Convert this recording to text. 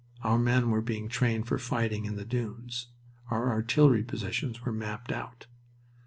Our men were being trained for fighting in the dunes. Our artillery positions were mapped out.